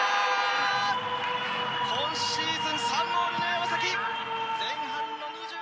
今シーズン３ゴール目山。